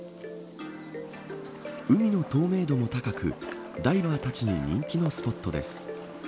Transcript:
海の透明度も高くダイバーたちに人気のスポットです。